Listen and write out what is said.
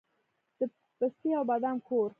د پسته او بادام کور.